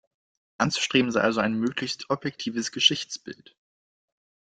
Anzustreben sei also ein möglichst objektives Geschichtsbild.